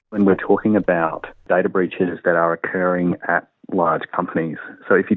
dan memiliki kesempatan yang lebih luas